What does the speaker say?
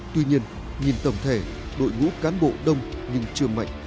tuy nhiên nhìn tổng thể đội ngũ cán bộ đông nhưng chưa mạnh